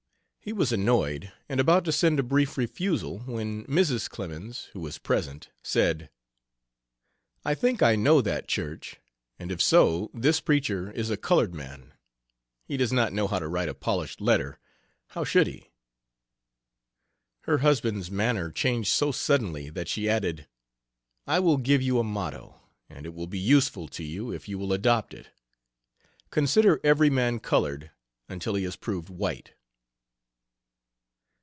He was annoyed and about to send a brief refusal, when Mrs. Clemens, who was present, said: "I think I know that church, and if so this preacher is a colored man; he does not know how to write a polished letter how should he?" Her husband's manner changed so suddenly that she added: "I will give you a motto, and it will be useful to you if you will adopt it: Consider every man colored until he is proved white."